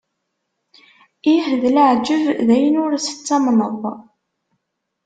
Ih, d leεǧeb, d ayen ur tettamneḍ!